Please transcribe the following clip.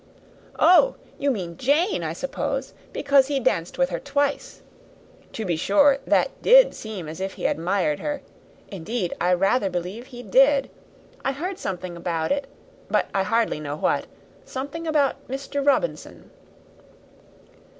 "Oh, you mean Jane, I suppose, because he danced with her twice. To be sure that did seem as if he admired her indeed, I rather believe he did I heard something about it but I hardly know what something about Mr. Robinson."